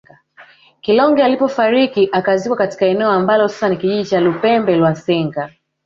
Kilonge alipofariki akazikwa katika eneo ambalo sasa ni kijiji cha Lupembe lwa Senga